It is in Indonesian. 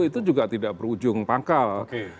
itu juga tidak berujung pangkal